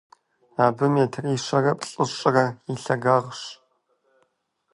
Абы метрищэрэ плӏыщӏрэ и лъагагъщ.